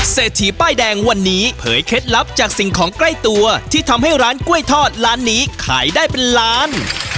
เศรษฐีป้ายแดงวันนี้เผยเคล็ดลับจากสิ่งของใกล้ตัวที่ทำให้ร้านกล้วยทอดร้านนี้ขายได้เป็นล้าน